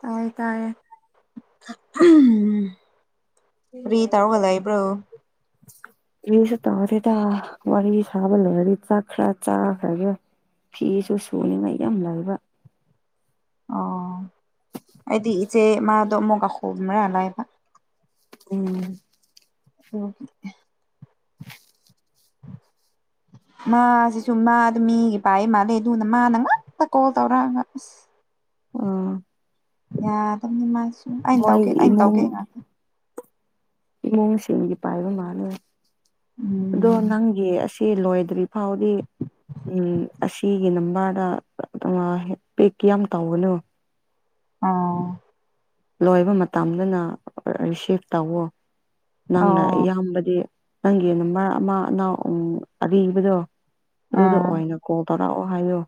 ꯇꯥꯏ ꯇꯥꯏꯌꯦ [unintelligible] ꯍꯨꯏ ꯀꯔꯤ ꯌꯥꯏ ꯇꯧꯔꯒ [inaudible] ꯀꯔꯤꯁꯨ ꯇꯧꯗꯦꯗ ꯋꯥꯔꯤ ꯁꯥꯕ ꯂꯣꯏꯔꯗꯤ ꯆꯥꯛ ꯈ꯭ꯔ ꯆꯥꯈ꯭ꯔꯒꯦ ꯐꯤ ꯁꯨ ꯁꯨꯅꯤꯡꯉꯥꯏ ꯌꯥꯝ ꯂꯩꯕ ꯑꯣ ꯑꯩꯗꯤ ꯏꯆꯦ ꯃꯥꯗꯣ ꯑꯃꯨꯛ ꯍꯣꯝꯔꯒ ꯂꯩꯕ ꯎꯝ [unintelligible] ꯃꯥꯁꯤꯁꯨ ꯃꯥꯗꯨ ꯃꯤꯒꯤ ꯄꯥꯏ ꯃꯥꯜꯂꯦ ꯑꯗꯨꯅ ꯃꯥꯅ ꯉꯥꯛꯇ ꯀꯣꯜ ꯇꯧꯔꯑꯒ ꯑꯁ ꯎꯝ ꯌꯥꯗꯕꯅꯤ ꯃꯥꯁꯨ ꯑꯩꯅ ꯃꯣꯏ ꯇꯧꯒꯦ ꯑꯩꯅ ꯏꯃꯨꯡ ꯇꯧꯒꯦ ꯉꯥꯛꯇ ꯏꯃꯨꯡꯁꯤꯡꯒꯤ ꯄꯥꯏꯕ ꯃꯥꯜꯂꯦ ꯑꯗꯣ ꯎꯝ ꯅꯪꯒꯤ ꯑꯁꯤ ꯁꯤ ꯂꯣꯏꯗ꯭ꯔꯤ ꯐꯥꯎꯗꯤ ꯎꯝ ꯑꯁꯤꯒꯤ ꯅꯝꯕꯔꯗ ꯑꯥ ꯄꯤꯛ ꯌꯥꯝ ꯇꯧꯒꯅꯨ ꯑꯥ ꯂꯣꯏꯕ ꯃꯇꯝꯗꯅ ꯔꯤꯁꯤꯞ ꯇꯧꯋꯣ ꯅꯪꯅ ꯑꯣ ꯑꯌꯥꯝꯕꯗꯤ ꯅꯪꯒꯤ ꯅꯝꯕꯔ ꯑꯃ ꯑꯅꯥꯎ ꯎꯝ ꯑꯔꯤꯕꯗꯨ ꯑꯗꯨꯗ ꯑꯥ ꯑꯣꯏꯅ ꯀꯣꯜ ꯇꯧꯔꯛꯑꯣ ꯍꯥꯏꯌꯣ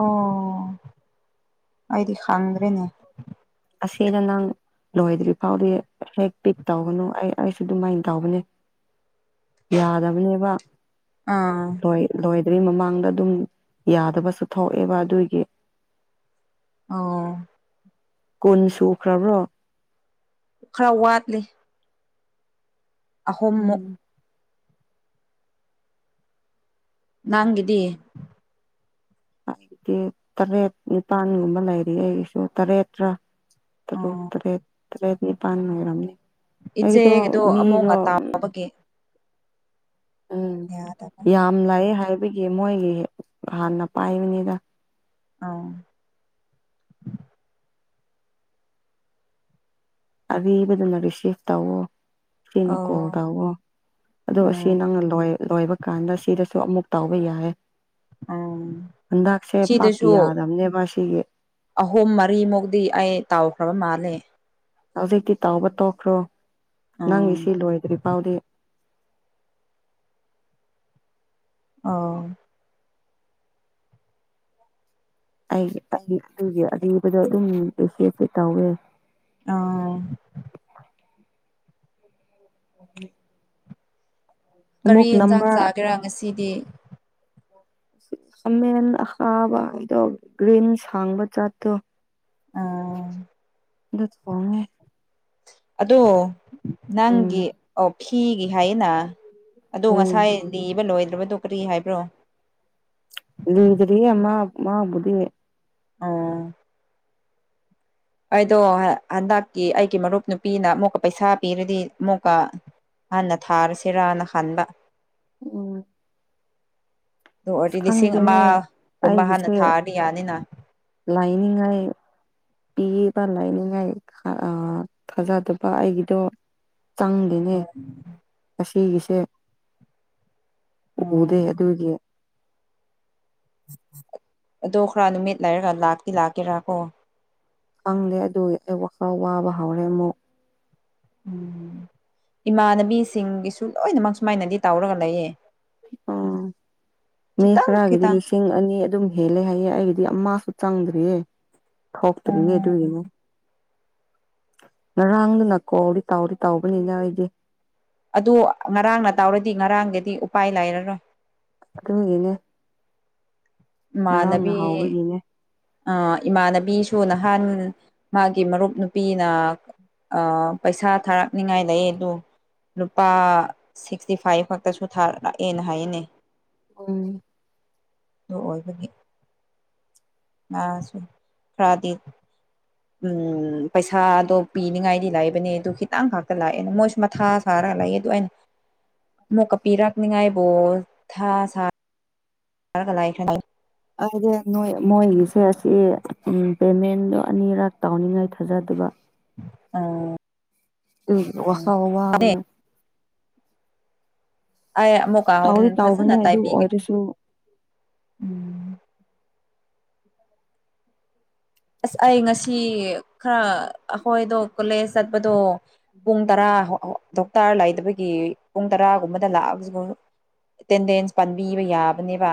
ꯑꯣ ꯑꯩꯗꯤ ꯈꯪꯗ꯭ꯔꯦꯅꯦ ꯑꯁꯤꯗ ꯅꯪ ꯂꯣꯏꯗ꯭ꯔꯤ ꯐꯥꯎꯗꯤ ꯍꯦꯛ ꯄꯤꯛ ꯇꯧꯒꯅꯨ ꯑꯩ ꯑꯩꯁꯨ ꯑꯗꯨꯃꯥꯏꯅ ꯇꯧꯕꯅꯦ [inaudible] ꯌꯥꯗꯕꯅꯦꯕ ꯑꯥ ꯂꫭꯏ ꯂꯣꯏꯗ꯭ꯔꯤ ꯃꯃꯥꯡꯗ ꯑꯗꯨꯝ ꯌꯥꯗꯕꯁꯨ ꯊꯣꯛꯑꯦꯕ ꯑꯗꯨꯒꯤ ꯑꯧ ꯀꯨꯟ ꯁꯨꯈ꯭ꯔꯕ꯭ꯔꯣ ꯈꯔ ꯋꯥꯠꯂꯤ ꯑꯍꯨꯝꯃꯨꯛ ꯎꯝ ꯅꯪꯒꯤꯗꯤ ꯑꯥ ꯗꯤ ꯇꯔꯦꯠ ꯅꯤꯄꯥꯟꯒꯨꯝꯕ ꯂꯩꯔꯤ ꯑꯩꯒꯤꯁꯨ ꯇꯔꯦꯠꯔ ꯇꯔꯨꯛ ꯑꯣ ꯇꯔꯦꯠ ꯇꯔꯦꯠ ꯅꯤꯄꯥꯟ ꯂꯩꯔꯝꯅꯤ ꯏꯆꯦꯒꯤꯗꯣ ꯑꯃꯣꯡ ꯉꯇꯥꯕꯒꯤ ꯎꯝ ꯌꯥꯗꯕ ꯌꯥꯝ ꯂꯩꯌꯦ ꯍꯥꯏꯕꯒꯤ ꯃꯣꯏꯒꯤ ꯍꯥꯟꯅ ꯄꯥꯏꯕꯅꯤꯗ ꯑꯧ ꯑꯔꯤꯕꯗꯨꯅ ꯔꯤꯁꯤꯚ ꯇꯧꯋꯣ ꯁꯤꯅ ꯑꯣ ꯀꯣꯜ ꯇꯧꯋꯣ ꯑꯗꯣ ꯁꯤ ꯎꯝ ꯅꯪꯅ ꯂꯣꯏ ꯂꯣꯏꯕ ꯀꯥꯟꯗ ꯁꯤꯗꯁꯨ ꯑꯃꯨꯛ ꯇꯧꯕ ꯌꯥꯏꯌꯦ ꯎꯝ ꯍꯟꯗꯛꯁꯦ ꯄꯥꯛ ꯁꯤꯗꯁꯨ ꯌꯥꯗꯝꯅꯦꯕ ꯁꯤꯒꯤ ꯑꯍꯨꯝ ꯃꯔꯤꯃꯨꯛꯇꯤ ꯑꯩ ꯇꯧꯈ꯭ꯔꯕ ꯃꯥꯜꯂꯦ ꯍꯧꯖꯤꯛꯇꯤ ꯇꯧꯕ ꯇꯣꯛꯈ꯭ꯔꯣ ꯅꯪꯒꯤ ꯎꯝ ꯁꯤ ꯂꯣꯏꯗ꯭ꯔꯤ ꯐꯥꯎꯗꯤ ꯑꯧ ꯑꯩꯒꯤ ꯑꯔꯤ ꯑꯩꯒꯤ ꯑꯔꯤꯕꯗ ꯑꯗꯨꯝ ꯔꯤꯁꯤꯚꯇꯤ ꯇꯧꯋꯦ ꯑꯥ [inaudible] ꯀꯔꯤ ꯑꯃꯨꯛ ꯌꯦꯟꯖꯥꯡ ꯅꯝꯕꯔ ꯆꯥꯒꯦꯔꯥ ꯉꯁꯤꯗꯤ ꯑꯃꯦꯟ ꯑꯈꯥꯕ ꯑꯩꯗꯣ ꯒ꯭ꯔꯤꯟ ꯁꯥꯡꯕ ꯖꯥꯠꯇꯨ ꯑꯣ ꯗꯨ ꯇꯣꯡꯉꯦ ꯑꯗꯣ ꯎꯝ ꯅꯪꯒꯤ ꯑꯣꯛ ꯐꯤꯒꯤ ꯍꯥꯏꯌꯦꯅ ꯑꯗꯨ ꯎꯝ ꯉꯁꯥꯏ ꯂꯤꯕ ꯂꯣꯏꯗ꯭ꯔꯕꯗꯣ ꯀꯔꯤ ꯍꯥꯏꯕ꯭ꯔꯣ ꯂꯤꯗ꯭ꯔꯤꯌꯦ ꯃꯥ ꯃꯥꯕꯨꯗꯤ ꯑꯣ ꯑꯩꯗꯣ ꯍ ꯍꯥꯟꯗꯛꯀꯤ ꯑꯩꯒꯤ ꯃꯔꯨꯞ ꯅꯨꯄꯤꯅ ꯑꯃꯨꯛꯀ ꯄꯩꯁꯥ ꯄꯤꯔꯗꯤ ꯑꯃꯨꯛꯀꯥ ꯍꯥꯟꯅ ꯊꯥꯔꯁꯤꯔꯅ ꯈꯥꯟꯕ ꯎꯝ ꯑꯗꯨ ꯑꯁ ꯑꯣꯏꯔꯗꯤ ꯂꯤꯁꯤꯡ ꯈꯪꯗꯦꯅꯦ ꯑꯃꯒꯨꯝꯕ ꯍꯥꯟꯅ ꯊꯥꯔꯗꯤ ꯌꯥꯅꯤꯅ ꯂꯥꯏꯅꯤꯉꯥꯏ ꯄꯤꯏꯕ ꯂꯥꯏꯅꯤꯡꯉꯥꯏ ꯈꯥꯑ ꯊꯥꯖꯗꯕ ꯑꯩꯒꯤꯗꯣ ꯆꯪꯗꯦꯅꯦ ꯑꯁꯤꯒꯤꯁꯦ ꯎꯝ ꯎꯗꯦ ꯑꯗꯨꯒꯤ [inaudible] ꯑꯗꯣ ꯈꯔ ꯅꯨꯃꯤꯠ ꯂꯩꯔꯒ ꯂꯥꯛꯇꯤ ꯂꯥꯛꯀꯦꯔꯥ ꯀꯣ ꯈꯪꯗꯦ ꯑꯗꯨꯒꯤ ꯑꯩ ꯋꯥꯈꯜ ꯋꯥꯕ ꯍꯧꯔꯦ ꯑꯃꯨꯛ ꯎꯝ ꯏꯃꯥꯟꯅꯕꯤꯁꯤꯡꯒꯤꯁꯨ ꯂꯣꯏꯅꯃꯛ ꯁꯨꯃꯥꯏꯅꯗꯤ ꯇꯧꯔꯒ ꯂꯩꯌꯦ ꯑꯣ ꯃꯤ ꯈꯤꯇꯪ ꯈꯔꯒꯤꯗꯤ ꯈꯤꯇꯪ ꯂꯤꯁ ꯁꯤꯡ ꯑꯅꯤ ꯑꯗꯨꯝ ꯍꯦꯜꯂꯦ ꯍꯥꯏꯌꯦ ꯑꯩꯒꯤꯗꯤ ꯑꯃꯁꯨ ꯆꯪꯗ꯭ꯔꯤꯌꯦ ꯊꯣꯛꯇ꯭ꯔꯤꯌꯦ ꯎꯝ ꯑꯗꯨꯏꯅꯦ ꯉꯔꯥꯡꯗꯨꯅ ꯀꯣꯜꯗꯤ ꯇꯧꯗꯤ ꯇꯧꯕꯅꯤꯅ ꯑꯩꯗꯤ ꯑꯗꯨ ꯉꯔꯥꯡꯅ ꯇꯧꯔꯗꯤ ꯉꯔꯥꯡꯒꯗꯤ ꯎꯄꯥꯏ ꯂꯩꯔꯔꯣꯏ ꯑꯗꯨꯒꯤꯅꯦ ꯉꯔꯥꯡꯅ ꯏꯃꯥꯟꯅꯕꯤ ꯍꯥꯎꯕꯒꯤꯅꯦ ꯑꯥ ꯏꯃꯥꯟꯅꯕꯤꯁꯨ ꯅꯍꯥꯟ ꯃꯥꯒꯤ ꯃꯔꯨꯞ ꯅꯨꯄꯤꯅ ꯑꯥ ꯄꯩꯁꯥ ꯊꯥꯔꯛꯅꯤꯉꯥꯏ ꯂꯩꯌꯦ ꯑꯗꯨ ꯂꯨꯄꯥ ꯁꯤꯛꯁꯇꯤ ꯐꯥꯏꯚ ꯈꯛꯇꯁꯨ ꯊꯔꯥꯛ ꯂꯥꯛꯑꯦꯅꯦ ꯍꯥꯏꯅꯦ ꯎꯝ ꯑꯗꯨ ꯑꯣꯏꯕꯒꯤ ꯑꯥ ꯈ꯭ꯔꯥꯗꯤ ꯎꯝ ꯄꯩꯁꯥꯗꯣ ꯄꯤꯅꯤꯡꯉꯥꯏꯗꯤ ꯂꯩꯕꯅꯦ ꯑꯗꯨ ꯈꯤꯇꯪ ꯈꯥꯛꯇꯪ ꯂꯥꯛꯑꯦꯅ ꯃꯣꯏꯁꯨ ꯃꯊꯥ ꯁꯥꯔꯒ ꯂꯩꯌꯦ ꯑꯗꯨ ꯑꯩꯅ [inaudible] ꯑꯃꯨꯛꯀ ꯄꯤꯔꯛꯅꯤꯉꯥꯏꯕꯨ ꯊ ꯁꯥꯒ ꯂꯩꯈ꯭ꯔꯦ ꯑꯩꯗꯤ ꯅꯣꯏ ꯃꯣꯏꯒꯤꯁꯦ ꯑꯁꯤ ꯄꯦꯃꯦꯟꯗꯣ ꯑꯅꯤꯔꯛ ꯇꯧꯅꯤꯡꯉꯥꯏ ꯊꯥꯖꯗꯕ ꯑꯣ ꯑꯩꯒꯤ ꯋꯥꯈꯜ ꯎꯝꯅꯦ ꯋꯥꯕꯅꯦ ꯑꯩ ꯑꯃꯨꯛꯀ ꯇꯧꯗꯤ ꯍꯧꯔꯟ ꯇꯧꯕꯅꯦ ꯐꯖꯅ ꯑꯗꯨ ꯇꯩꯕꯤꯒꯦ ꯑꯣꯏꯔꯁꯨ ꯎꯝ ꯑꯁ ꯑꯩ ꯉꯁꯤ ꯈꯔ ꯑꯩꯈꯣꯏꯗꯣ ꯀꯣꯂꯦꯖ ꯆꯥꯠꯄꯗꯣ ꯄꯨꯡ ꯇꯔꯥ ꯗꯣꯛꯇꯔ ꯂꯩꯗꯕꯒꯤ ꯄꯨꯡ ꯇꯔꯥꯒꯨꯝꯕꯗ ꯂꯥꯛꯑꯒꯁꯨ ꯑꯦꯇꯦꯟꯗꯦꯟꯁ ꯄꯥꯟꯕꯤꯕ ꯌꯥꯕꯅꯦꯕ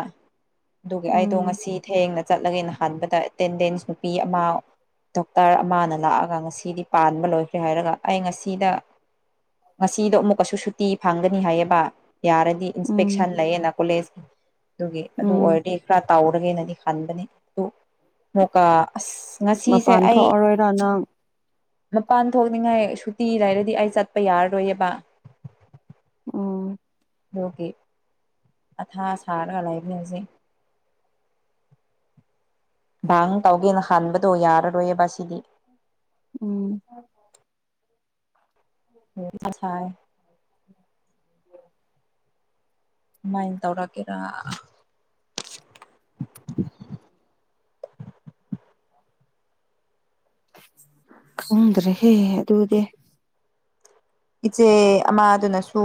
ꯑꯗꯨꯒꯤ ꯑꯩꯗꯣ ꯎꯝ ꯉꯁꯤ ꯊꯦꯡꯅ ꯆꯠꯂꯒꯦ ꯍꯟꯕꯗ ꯑꯦꯇꯦꯟꯗꯦꯟꯁ ꯅꯨꯄꯤ ꯑꯃ ꯗꯣꯛꯇꯔ ꯑꯃꯅ ꯂꯥꯛꯑꯒ ꯉꯁꯤꯗꯤ ꯄꯥꯟꯕ ꯂꯣꯏꯈ꯭ꯔꯦ ꯍꯥꯏꯔꯒ ꯑꯩ ꯉꯁꯤꯗ ꯉꯁꯤꯗꯣ ꯑꯃꯨꯛꯀꯁꯨ ꯁꯨꯇꯤ ꯐꯪꯒꯅꯤ ꯍꯥꯏꯌꯦꯕ ꯌꯥꯔꯗꯤ ꯎꯝ ꯏꯟꯁꯄꯦꯛꯁꯟ ꯂꯩꯌꯦꯅ ꯀꯣꯂꯦꯖ ꯑꯗꯨꯒꯤ ꯑꯗꯨ ꯎꯝ ꯑꯣꯏꯔꯗꯤ ꯈꯔ ꯇꯧꯔꯒꯦꯅꯗꯤ ꯈꯟꯕꯅꯦ ꯑꯗꯨ ꯃꯨꯀꯥ ꯑꯁ ꯉꯁꯤꯁꯦ ꯑꯩ ꯂꯣꯏꯔꯕ꯭ꯔ ꯅꯪ ꯃꯄꯥꯟ ꯊꯣꯛꯅꯤꯡꯉꯥꯏ ꯁꯨꯇꯤ ꯂꯩꯔꯗꯤ ꯑꯩ ꯆꯥꯠꯄ ꯌꯥꯔꯔꯣꯏꯌꯦꯕ ꯎꯝ ꯗꯨꯒꯤ ꯑꯊꯥ ꯁꯥꯔꯒ ꯂꯩꯕꯅꯦ ꯍꯧꯖꯤꯛ ꯗꯥꯡ ꯇꯧꯒꯦꯅ ꯈꯟꯕꯗꯣ ꯌꯥꯔꯔꯣꯏꯌꯦꯕ ꯁꯤꯗꯤ ꯎꯝ [unintelligible] ꯀꯃꯥꯏꯅ ꯇꯧꯔꯛꯀꯦꯔꯥ ꯈꯪꯗ꯭ꯔꯦꯍꯦ ꯑꯗꯨꯗꯤ ꯏꯆꯦ ꯑꯃꯥꯗꯨꯅꯁꯨ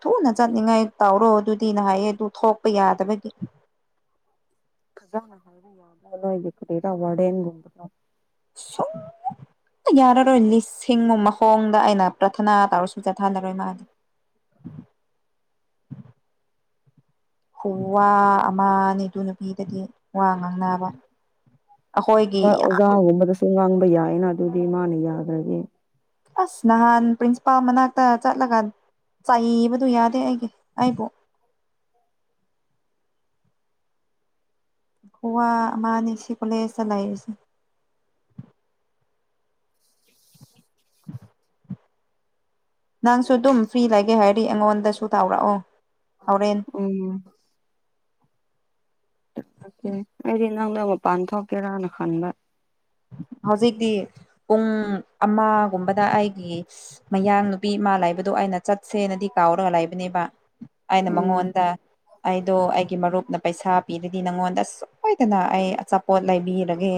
ꯊꯨꯅꯥ ꯆꯠꯅꯤꯡꯉꯥꯏ ꯇꯧꯔꯣ ꯑꯗꯨꯗꯤ ꯅ ꯍꯥꯏꯌꯦ ꯑꯗꯨ ꯊꯣꯛ ꯄ ꯌꯥꯗꯕꯒꯤ [unintelligible] [unintelligible] ꯌꯥꯔꯔꯣꯏ ꯂꯤꯁꯤꯡꯃꯥ ꯃꯈꯣꯡꯗ ꯑꯩꯅ ꯄ꯭ꯔꯊꯅꯥ ꯇꯧꯔꯁꯨ ꯆꯠꯊꯟꯅꯔꯣꯏ ꯃꯥꯗꯤ ꯈꯨꯋꯥ ꯑꯃꯅꯦ ꯑꯗꯨ ꯅꯨꯄꯤꯗꯗꯤ ꯋꯥ ꯉꯥꯡꯅ ꯕ ꯑꯩꯈꯣꯏꯒꯤ ꯌꯥꯝ [unintelligible] ꯉꯥꯡꯕ ꯌꯥꯏꯌꯦꯅ ꯑꯗꯨꯗꯤ ꯃꯥꯅ ꯌꯥꯗ꯭ꯔꯗꯤ ꯑꯁ ꯅꯍꯥꯟ ꯄ꯭ꯔꯤꯟꯁꯤꯄꯥꯜ ꯃꯅꯥꯛꯇ ꯆꯠꯂꯒ ꯆꯩꯕꯗꯨ ꯌꯥꯗꯦ ꯑꯩꯒꯤ ꯑꯩꯕꯨ ꯋꯥ ꯑꯃꯥꯅꯤ ꯁꯤ ꯀꯣꯂꯦꯖꯇꯥ ꯂꯩꯕꯁꯦ [inaudible] ꯅꯪꯁꯨ ꯗꯨꯝ ꯐ꯭ꯔꯤ ꯂꯩꯒꯦ ꯍꯥꯏꯔꯗꯤ ꯑꯩꯉꯣꯟꯗꯁꯨ ꯇꯥꯎꯔꯛꯑꯣ ꯍꯧꯔꯦꯟ ꯎꯝ ꯑꯣꯀꯦ ꯑꯩꯗꯤ ꯅꯪꯗꯣ ꯃꯄꯥꯟ ꯊꯣꯛꯀꯦꯔꯅ ꯈꯟꯕ ꯍꯧꯖꯤꯛꯗꯤ ꯄꯨꯡ ꯑꯃꯒꯨꯝꯕꯗ ꯑꯩꯒꯤ ꯃꯌꯥꯡ ꯅꯨꯄꯤ ꯃꯥ ꯂꯩꯕꯗꯣ ꯑꯩꯅ ꯆꯠꯁꯦꯅꯗꯤ ꯀꯥꯎꯔꯒ ꯂꯩꯕꯅꯦꯕ ꯑꯩꯅ ꯎꯝ ꯃꯉꯣꯟꯗ ꯑꯩꯗꯣ ꯑꯩꯒꯤ ꯃꯔꯨꯞꯅ ꯄꯩꯁꯥ ꯄꯤꯔꯗꯤ ꯅꯪꯉꯣꯟꯗ ꯑꯁꯨ ꯍꯣꯏꯗꯅ ꯑꯩ ꯑꯆꯥꯄꯣꯠ ꯂꯩꯕꯤꯔꯒꯦ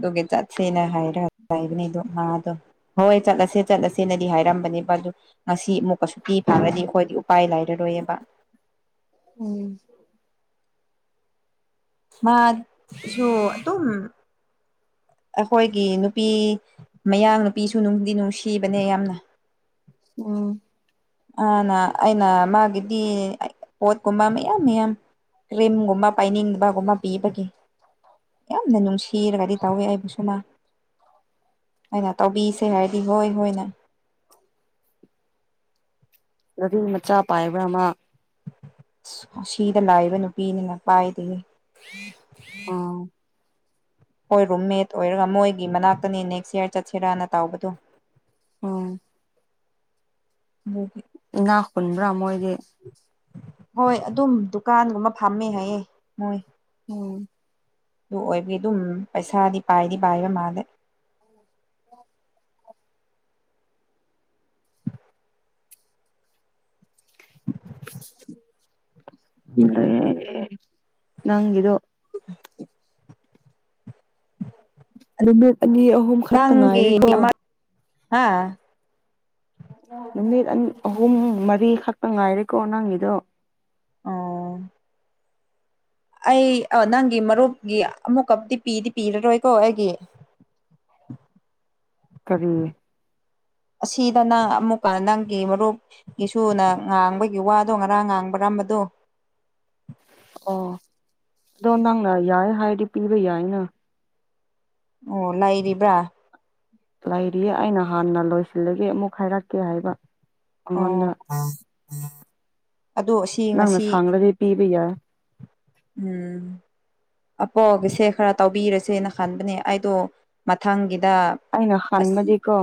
ꯗꯨꯒꯤ ꯆꯠꯁꯦꯅ ꯍꯥꯏꯔ ꯂꯩꯕꯅꯦ ꯑꯗꯣ ꯃꯥꯗꯣ ꯍꯣꯏ ꯆꯠꯂꯁꯦ ꯆꯠꯂꯁꯦꯅꯗꯤ ꯍꯥꯏꯔꯝꯕꯅꯦꯕ ꯑꯗꯨ ꯉꯁꯤ ꯑꯃꯨꯛꯀ ꯁꯨꯇꯤ ꯎꯝ ꯐꯥꯡꯔꯗꯤ ꯑꯈꯣꯏꯗꯤ ꯎꯄꯥꯏ ꯂꯩꯔꯔꯣꯏꯌꯦꯕ ꯎꯝ ꯃꯥꯠꯁꯨ ꯑꯗꯨꯝ ꯑꯈꯣꯏꯒꯤ ꯅꯨꯄꯤ ꯃꯌꯥꯡ ꯅꯨꯄꯤꯁꯨ ꯅꯨꯡꯗꯤ ꯅꯨꯡꯁꯤꯕꯅꯦ ꯌꯥꯝꯅ ꯎꯝ ꯑꯥꯅ ꯑꯩꯅ ꯃꯥꯒꯤꯗꯤ ꯄꯣꯠꯀꯨꯝꯕ ꯃꯌꯥꯝ ꯃꯌꯥꯝ ꯀ꯭ꯔꯤꯝ ꯒꯨꯝꯕ ꯄꯥꯏꯅꯤꯡꯗꯕꯒꯨꯝꯕꯞ ꯄꯤꯕꯒꯤ ꯌꯥꯝꯅ ꯅꯨꯡꯁꯤꯔꯒꯗꯤ ꯇꯧꯋꯦ ꯑꯩꯕꯨꯁꯨ ꯃꯥ ꯑꯩꯅ ꯇꯧꯕꯤꯁꯦ ꯍꯥꯏꯔꯗꯤ ꯍꯣꯏ ꯍꯣꯏꯅ ꯒꯥꯔꯤ ꯃꯆꯥ ꯄꯥꯏꯕ꯭ꯔꯥ ꯃꯥ ꯑꯁ ꯑꯁꯤꯗ ꯂꯥꯏꯕ ꯅꯨꯄꯤꯅꯤꯅ ꯄꯥꯏꯗꯦꯍꯦ [unintelligible] ꯑꯥꯎ ꯍꯣꯏ ꯔꯨꯝꯃꯦꯠ ꯑꯣꯏꯔꯒ ꯃꯣꯏꯒꯤ ꯃꯅꯥꯛꯇꯅꯦ ꯅꯦꯛꯁ ꯌꯔ ꯆꯠꯁꯦꯔꯥꯅ ꯇꯥꯎꯕꯗꯣ ꯑꯣ [unintelligible] ꯏꯅꯥ ꯈꯨꯨꯟꯕ꯭ꯔꯥ ꯃꯣꯏꯗꯤ ꯍꯣꯏ ꯑꯗꯨꯝ ꯗꯨꯀꯥꯟꯒꯨꯝꯕ ꯐꯝꯃꯦ ꯍꯥꯏꯌꯦ ꯃꯣꯏ ꯎꯝ ꯗꯨ ꯑꯣꯏꯕꯒꯤ ꯗꯨꯝ ꯄꯩꯁꯥꯗꯤ ꯄꯥꯏꯗꯤ ꯄꯥꯏꯕ ꯃꯥꯜꯂꯦ [unintelligible] ꯅꯪꯒꯤꯗꯣ [unintelligible] ꯅꯨꯃꯤꯠ ꯑꯅꯤ ꯑꯍꯨꯝ ꯈꯛꯇ ꯉꯥꯏꯔꯦꯀꯣ ꯍꯥꯥ ꯅꯨꯃꯤꯠ ꯑꯅꯤ ꯑꯍꯨꯝ ꯃꯔꯤ ꯈꯛꯇ ꯉꯥꯏꯔꯦꯀꯣ ꯅꯪꯒꯤꯗꯣ ꯑꯣ ꯑꯩ ꯑꯣ ꯅꯪꯒꯤ ꯃꯔꯨꯞꯒꯤ ꯑꯃꯨꯛꯀꯞꯗꯤ ꯄꯤꯗꯤ ꯄꯤꯔꯔꯣꯏꯀꯣ ꯑꯩꯒꯤ [inaudible] ꯀꯔꯤ ꯑꯁꯤꯗ ꯅꯪ ꯑꯃꯨꯛꯀ ꯅꯪꯒꯤ ꯃꯔꯨꯞ ꯒꯤꯁꯨꯅ ꯉꯥꯡꯕꯒꯤ ꯋꯥꯗꯨ ꯉꯔꯥꯡ ꯉꯥꯡꯕ꯭ꯔꯝ ꯃꯗꯣ ꯑꯣ ꯑꯗꯣ ꯅꯪꯅ ꯌꯥꯏꯌꯦ ꯍꯥꯏꯔꯗꯤ ꯄꯤꯕ ꯌꯥꯏꯅ ꯑꯣ ꯂꯩꯔꯤꯕ꯭ꯔꯥ ꯂꯩꯔꯤꯌꯦ ꯑꯩꯅ ꯍꯥꯟꯅ ꯂꯣꯏꯁꯤꯜꯂꯒꯦ ꯑꯃꯨꯛ ꯍꯥꯏꯔꯛꯀꯦ ꯍꯥꯏꯕ ꯑꯣ ꯑꯉꯣꯟꯗ ꯑꯗꯨ ꯑꯁꯤ ꯉꯁꯤ ꯃꯔꯤ ꯄꯤꯕ ꯌꯥꯢ ꯎꯝ ꯑꯄꯣꯒꯤꯁꯦ ꯈꯔ ꯇꯧꯕꯤꯔꯁꯦꯅ ꯈꯟꯕꯅꯦ ꯑꯩꯗꯣ ꯃꯊꯪꯒꯤꯗ ꯑꯩꯅ ꯑꯁ ꯈꯟꯕꯗꯤꯀꯣ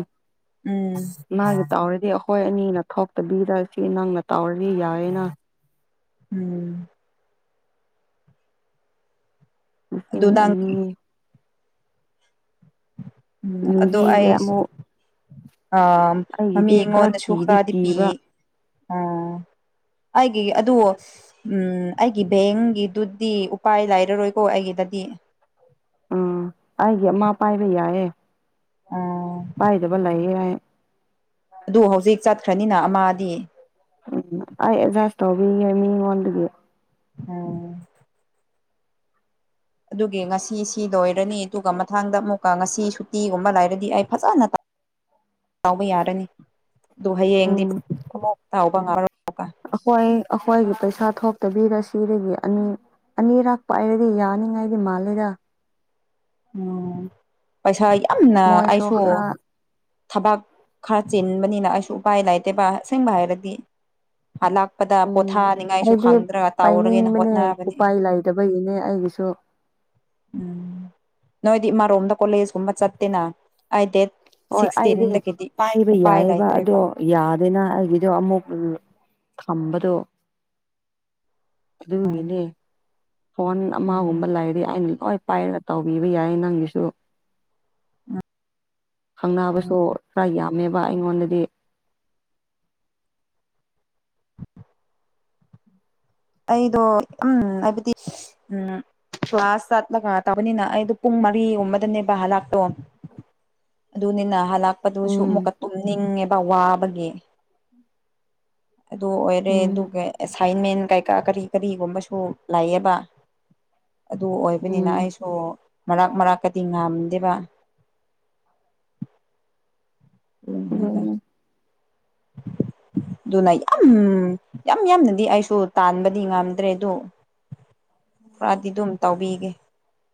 ꯎꯝ ꯃꯥꯅ ꯇꯧꯔꯗꯤ ꯑꯩꯈꯣꯏ ꯑꯅꯤꯅ ꯊꯣꯛꯇꯕꯤꯗ ꯁꯤ ꯅꯪꯅ ꯇꯧꯔꯗꯤ ꯌꯥꯏꯌꯦꯅ ꯎꯝ ꯂꯤꯁꯤꯡ ꯑꯗꯨ ꯅꯪ ꯑꯅꯤ ꯎꯝ ꯑꯗꯨ ꯅꯤꯕꯤꯒ ꯑꯩꯁ ꯑꯃꯨꯛ ꯑ ꯃꯤ ꯑꯩꯒꯤꯗꯤ ꯈꯔ ꯉꯣꯟꯗꯁꯨ ꯀꯤꯗꯤ ꯈꯔꯗꯤ ꯀꯤꯕ ꯄꯤꯌꯦ ꯑ ꯑꯩꯒꯤ ꯑꯗꯨ ꯎꯝ ꯑꯩꯒꯤ ꯕꯦꯡꯒꯤꯗꯨꯗꯤ ꯎꯄꯥꯏ ꯂꯩꯔꯔꯣꯏꯀꯣ ꯑꯩꯒꯤꯗꯗꯤ ꯎꯝ ꯑꯩꯒꯤ ꯑꯃꯥ ꯄꯥꯏꯕ ꯌꯥꯏꯌꯦ ꯑꯥ ꯄꯥꯏꯗꯕ ꯂꯩꯌꯦ ꯍꯥꯢ ꯑꯗꯨ ꯍꯧꯖꯤꯛ ꯆꯠꯈ꯭ꯔꯅꯤꯅ ꯑꯃꯗꯤ ꯎꯝ ꯑꯩ ꯑꯦꯗꯖꯥꯢꯞ ꯇꯧꯕꯤꯒꯦ ꯃꯤꯉꯣꯟꯗꯒꯤ ꯑꯣ ꯑꯗꯨꯒꯤ ꯉꯁꯤ ꯁꯤ ꯂꯣꯏꯔꯅꯤ ꯑꯗꯨꯒ ꯃꯥꯊꯪꯗ ꯑꯃꯨꯛꯀ ꯉꯁꯤꯁꯨ ꯇꯤꯒꯨꯝꯕ ꯂꯩꯔꯗꯤ ꯑꯩ ꯐꯖꯅ ꯇꯧꯕ ꯌꯥꯔꯅꯤ ꯗꯨ ꯍꯌꯦꯡꯗꯤ ꯎꯝ ꯇꯧꯕ ꯉꯝꯃꯥꯔꯣꯢ ꯑꯩꯈꯣꯏ ꯑꯩꯈꯣꯏꯒꯤ ꯄꯩꯁꯥ ꯊꯣꯛꯇꯕꯤꯗ ꯁꯤꯗꯒꯤ ꯑꯅꯤ ꯑꯅꯤꯔꯛ ꯄꯥꯏꯔꯗꯤ ꯌꯥꯅꯤꯡꯉꯥꯏꯗꯤ ꯃꯥꯜꯂꯦꯗ ꯎꯝ ꯄꯩꯁꯥ ꯌꯥꯝꯅ ꯃꯣꯏꯁꯨ ꯑꯩꯁꯨ ꯈꯔ ꯊꯕꯛ ꯈꯔ ꯆꯤꯟꯕꯅꯤꯅ ꯑꯩꯁꯨ ꯎꯄꯥꯏ ꯂꯩꯇꯦꯕ ꯑꯁꯦꯡꯕ ꯍꯥꯏꯔꯗꯤ ꯑꯅꯛꯄꯗ ꯎꯝ ꯄꯣꯊꯥꯅꯤꯡꯉꯥꯏꯁꯨ ꯑꯩꯗꯤ ꯈꯪꯗ꯭ꯔꯒ ꯇꯧꯔꯒꯦꯅ ꯍꯣꯠꯅꯕꯅꯦ ꯇꯕꯒꯤꯅꯦ ꯑꯩꯒꯤꯁꯨ ꯎꯝ ꯅꯣꯏꯗꯤ ꯢꯃꯥꯔꯣꯝꯗ ꯀꯣꯂꯦꯖꯒꯨꯝꯕ ꯆꯠꯇꯦꯅ ꯑꯩ ꯗꯦꯠ ꯍꯣꯏ ꯑꯩꯗꯤ ꯁꯤꯛꯁꯇꯤꯟꯗꯒꯤꯗꯤ ꯄꯥꯏꯕ ꯎꯄꯥꯏ ꯌꯥꯏꯌꯦꯕ ꯂꯩꯇ꯭ꯔꯦꯕ ꯑꯗꯣ ꯌꯥꯗꯦꯅ ꯑꯩꯒꯤꯗꯣ ꯑꯃꯨꯛ ꯎꯝ ꯊꯝꯕꯗꯨ ꯎꯝ ꯑꯗꯨꯒꯤꯅꯦ ꯐꯣꯟ ꯎꯝ ꯑꯃꯒꯨꯝꯕ ꯂꯩꯔꯗꯤ ꯑꯩꯅ ꯂꯣꯏ ꯄꯥꯏꯔꯒ ꯇꯧꯕꯤꯕ ꯌꯥꯏꯌꯦ ꯅꯪꯒꯤꯁꯨ ꯈꯪꯅꯕꯁꯨ ꯈꯔ ꯌꯥꯝꯃꯦꯕ ꯑꯩꯉꯣꯟꯗꯗꯤ ꯑꯩꯗꯣ ꯌꯤꯝ ꯍꯥꯏꯕꯗꯤ ꯎꯝ ꯀ꯭ꯂꯥꯁ ꯆꯠꯄꯒ ꯇꯧꯕꯅꯤꯅ ꯑꯩꯗꯣ ꯄꯨꯡ ꯃꯔꯤꯒꯨꯝꯕꯗꯅꯦꯕ ꯍꯜꯂꯛꯄꯗꯨ ꯑꯗꯨꯅꯤꯅ ꯍꯜꯂꯛꯄꯗꯨꯁꯨ ꯎꯝ ꯑꯃꯨꯛꯀ ꯇꯨꯝꯅꯤꯡꯉꯦꯕ ꯋꯥꯕꯒꯤ ꯑꯗꯨ ꯑꯣꯏꯔꯦ ꯎꯝ ꯑꯗꯨꯒ ꯑꯦꯁꯥꯏꯟꯃꯦꯟ ꯀꯩ ꯇ ꯀꯔꯤ ꯀꯔꯤꯒꯨꯝꯕꯁꯨ ꯂꯩꯌꯦꯕ ꯑꯗꯨ ꯑꯣꯏꯕꯅꯤꯅ ꯎꯝ ꯑꯩꯁꯨ ꯃꯔꯛ ꯃꯔꯛꯇꯗꯤ ꯉꯝꯗꯦꯕ ꯑꯗꯨꯅꯤꯗ ꯄꯤꯖꯒꯅꯨ ꯑꯗꯨꯅ ꯌꯥꯝ ꯌꯥꯝ ꯌꯥꯝꯅꯗꯤ ꯑꯩꯁꯨ ꯇꯥꯟꯕꯗꯤ ꯉꯝꯗ꯭ꯔꯦ ꯑꯗꯨ ꯈꯔꯗꯤ ꯑꯗꯨꯝ ꯇꯧꯕꯤꯒꯦ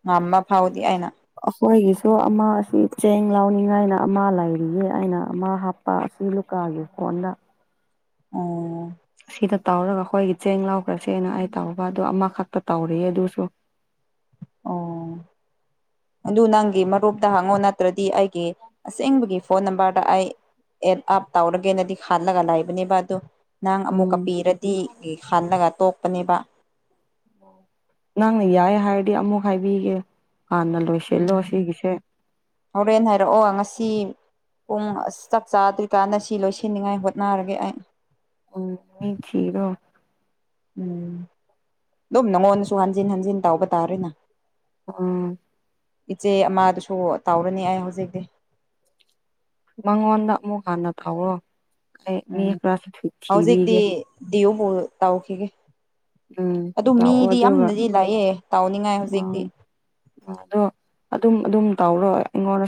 ꯉꯝꯕ ꯐꯥꯎꯗꯤ ꯑꯩꯅ ꯑꯩꯈꯣꯏꯒꯤꯁꯨ ꯑꯃ ꯑꯁꯤ ꯆꯦꯡ ꯂꯧꯅꯤꯡꯉꯥꯏꯅ ꯑꯃ ꯂꯩꯔꯤꯌꯦ ꯑꯩꯅ ꯑꯃ ꯍꯥꯞ ꯄꯥ ꯑꯁꯤ ꯂꯨꯀꯥꯒꯤ ꯐꯣꯟꯗ ꯑꯣ ꯁꯤꯗ ꯇꯧꯔꯒ ꯑꯩꯈꯣꯏꯒꯤ ꯆꯦꯡ ꯂꯥꯎꯈ꯭ꯔꯁꯦꯅ ꯑꯩ ꯇꯧꯕ ꯑꯗꯨ ꯑꯃꯥꯈꯛꯇ ꯇꯧꯔꯤꯌꯦ ꯑꯗꯨꯁꯨ ꯑꯣ ꯑꯗꯨ ꯅꯪꯒꯤ ꯃꯔꯨꯞꯇ ꯍꯪꯉꯣ ꯅꯠꯇ꯭ꯔꯗꯤ ꯑꯩꯒꯤ ꯑꯁꯦꯡꯕꯒꯤ ꯐꯣꯟ ꯅꯝꯕꯔꯗ ꯑꯩ ꯑꯦꯠ ꯑꯞ ꯇꯧꯔꯒꯦꯅꯗꯤ ꯈꯜꯂꯒ ꯂꯩꯕꯅꯦꯕ ꯑꯗꯨ ꯅꯪ ꯑꯃꯨꯛꯀ ꯎꯝ ꯄꯤꯔꯗꯤꯀꯦ ꯈꯜꯂꯒ ꯇꯣꯛꯄꯅꯦꯕ ꯅꯪꯅ ꯌꯥꯏ ꯍꯥꯏꯔꯗꯤ ꯑꯃꯨꯛ ꯍꯥꯏꯕꯤꯒꯦ ꯍꯥꯟꯅ ꯂꯣꯏ ꯎꯝ ꯍꯣꯔꯦꯟ ꯍꯥꯏꯔꯛꯑꯣ ꯉꯁꯤ ꯄꯨꯡ ꯑꯁ ꯆꯥꯛ ꯆꯥꯗ꯭ꯔꯤꯀꯥꯟꯅ ꯁꯤ ꯂꯣꯏꯁꯤꯟꯅꯤꯡꯉꯥꯏ ꯍꯣꯠꯅꯔꯒꯦ ꯑꯩ ꯎꯝ ꯃꯤ ꯊꯤꯔꯣ ꯎꯝ ꯗꯨꯝ ꯅꯪꯉꯣꯟꯗꯁꯨ ꯍꯟꯖꯤꯟ ꯍꯟꯖꯤꯟ ꯇꯧꯕ ꯇꯥꯔꯦꯅ ꯑ ꯏꯆꯦ ꯑꯃꯥꯗꯁꯨ ꯇꯧꯔꯅꯤ ꯑꯩ ꯍꯧꯖꯤꯛꯇꯤ ꯃꯉꯣꯟꯗ ꯑꯃꯨꯛ ꯍꯟꯅ ꯇꯧꯔꯣ ꯑꯩ ꯃꯤ ꯈꯔꯁꯨ ꯊꯨ ꯊꯤꯕꯤꯒꯦ ꯗꯤꯌꯨꯍꯣꯜ ꯇꯥꯎꯈꯤꯒꯦ ꯎꯝ ꯑꯗꯨ ꯇꯧꯑꯣ ꯃꯤꯗꯤ ꯑꯗꯨꯒ ꯌꯥꯝꯅꯗꯤ ꯂꯥꯛꯑꯦ ꯇꯥꯎꯅꯤꯡꯉꯥꯏ ꯍꯧꯖꯤꯛꯇꯤ ꯎꯝꯗꯣ ꯑꯗꯨꯝ ꯑꯗꯨꯝ ꯇꯧꯔꯣ ꯑꯩꯉꯣꯟꯗ